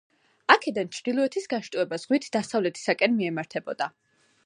აქედან ჩრდილოეთის განშტოება ზღვით დასავლეთისაკენ მიემართებოდა.